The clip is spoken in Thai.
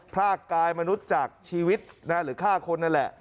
พรากกายมนุษย์จากชีวิตหรือฆ่าคนนั่นแหละ